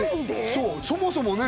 そうそもそもね？